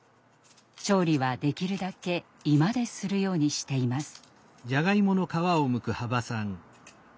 調理はできるだけ居間でするようにしています。